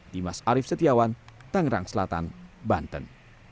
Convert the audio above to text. dimas arief setiawan tangerang selatan banten